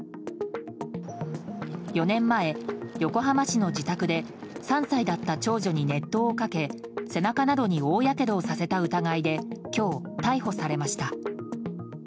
４年前、横浜市の自宅で３歳だった長女に熱湯をかけ背中などに大やけどをさせた疑いで今日、逮捕されました。